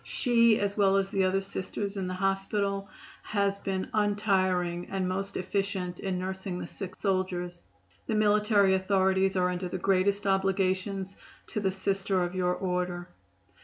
She, as well as the other Sisters at the hospital, has been untiring and most efficient in nursing the sick soldiers. The military authorities are under the greatest obligations to the Sisters of your Order."